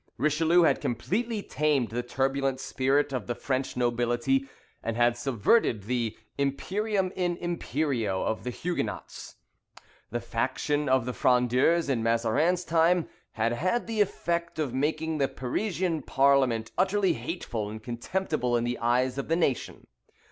Richelieu had completely tamed the turbulent spirit of the French nobility, and had subverted the "imperium in imperio" of the Huguenots. The faction of the Frondeurs in Mazarin's time had had the effect of making the Parisian parliament utterly hateful and contemptible in the eyes of the nation.